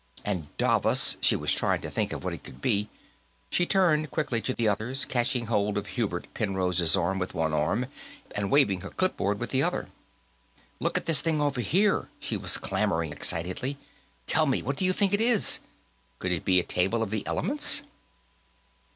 And davas; she was trying to think of what it could be. She turned quickly to the others, catching hold of Hubert Penrose's arm with one hand and waving her clipboard with the other. "Look at this thing, over here," she was clamoring excitedly. "Tell me what you think it is. Could it be a table of the elements?"